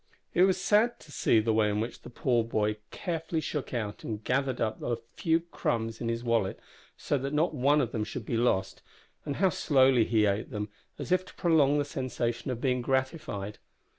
It was sad to see the way in which the poor boy carefully shook out and gathered up the few crumbs in his wallet so that not one of them should be lost; and how slowly he ate them, as if to prolong the sensation of being gratified!